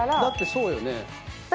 だってそうよね。